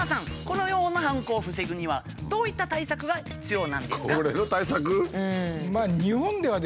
このような犯行を防ぐにはどういった対策が必要なんですか？